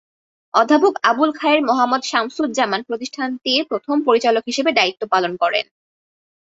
অধ্যাপক আবুল খায়ের মোহাম্মদ শামসুজ্জামান প্রতিষ্ঠানটির প্রথম পরিচালক হিসেবে দায়িত্ব পালন করেন।